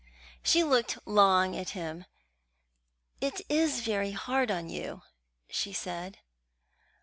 She looked long at him. "It is very hard on you," she said.